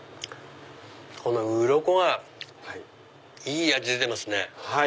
このうろこがいい味出てますね。